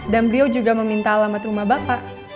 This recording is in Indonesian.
dan beliau juga meminta alamat rumah bapak